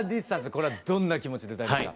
これはどんな気持ちで歌いますか？